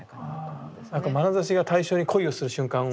まなざしが対象に恋をする瞬間を。